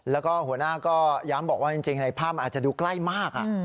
แล้วก็หัวหน้าก็ย้ำบอกว่าจริงในภาพมันอาจจะดูใกล้มาก